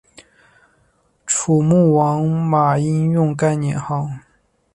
楚武穆王马殷用该年号。